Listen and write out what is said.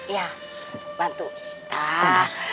iya bantu tah